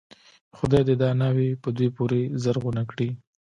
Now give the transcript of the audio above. خدای دې دا ناوې په دوی پورې زرغونه کړي.